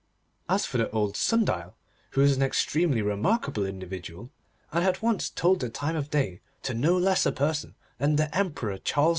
As for the old Sundial, who was an extremely remarkable individual, and had once told the time of day to no less a person than the Emperor Charles V.